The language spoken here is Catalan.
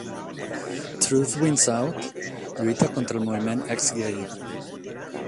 Truth Wins Out lluita contra el moviment Ex-Gay.